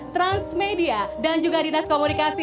transmedia dan juga dinas komunikasi